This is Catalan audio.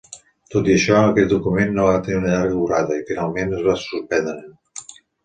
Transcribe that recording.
Tot i això, aquest document no va tenir una llarga durada i, finalment, es va suspendre.